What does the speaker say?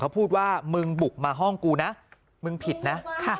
เขาพูดว่ามึงบุกมาห้องกูนะมึงผิดนะ